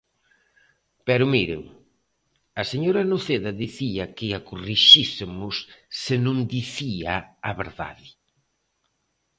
Pero, miren, a señora Noceda dicía que a corrixísemos se non dicía a verdade.